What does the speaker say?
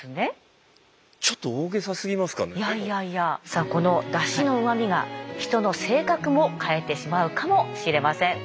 さあこのだしのうま味が人の性格も変えてしまうかもしれません。